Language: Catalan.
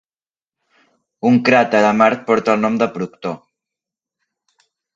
Un cràter a Mart porta el nom de Proctor.